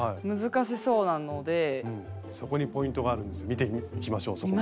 見ていきましょうそこも。